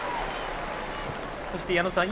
そして矢野さん